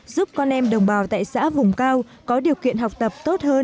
giúp con em đồng bào tại xã vùng cao có điều kiện học tập tốt hơn